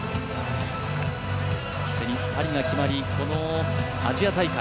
既にパリが決まり、このアジア大会